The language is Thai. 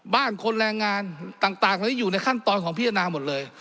บ้านคนแรงงานต่างเหล่านี้อยู่ในขั้นตอนของพิจารณาหมดเลย